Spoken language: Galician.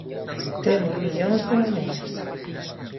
Temos millóns de maneiras.